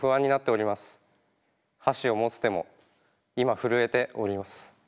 箸を持つ手も今震えております。